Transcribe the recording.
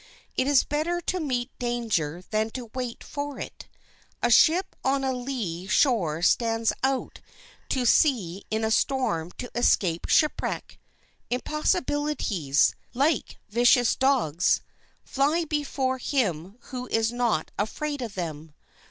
It is better to meet danger than to wait for it. A ship on a lee shore stands out to sea in a storm to escape shipwreck. Impossibilities, like vicious dogs, fly before him who is not afraid of them.